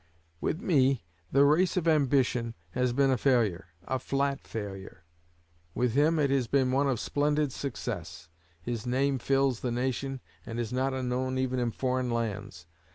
With me, the race of ambition has been a failure a flat failure; with him, it has been one of splendid success. His name fills the nation, and is not unknown even in foreign lands.